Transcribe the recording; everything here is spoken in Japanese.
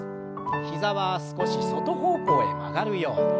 膝は少し外方向へ曲がるように。